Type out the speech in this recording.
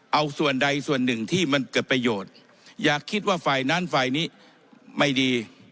เอาส่วนใดส่วนหนึ่งที่มันเกิดประโยชน์อย่าคิดว่าฝ่ายนั้นฝ่ายนี้ไม่ดี